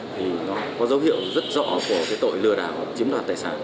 thì nó có dấu hiệu rất rõ của cái tội lừa đảo chiếm đoạt tài sản